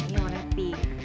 ini warnanya pink